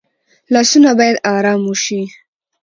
لاسونه باید آرام وشي